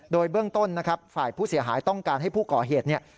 โดยเบื้องต้นนะครับฝ่ายผู้เสียหายต้องการให้ผู้ก่อเหตุเนี่ย